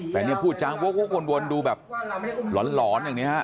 แต่เนี่ยพูดจ้างโว๊คโว๊ควนวนดูแบบหลอนอย่างนี้ฮะ